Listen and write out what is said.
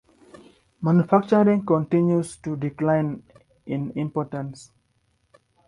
Manufacturing continues to decline in importance.